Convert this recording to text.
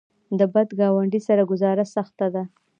د بد ګاونډي سره ګذاره سخته ده.